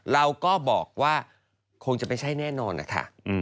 เราก็บอกว่าคงจะไม่ใช่แน่นอนนะคะ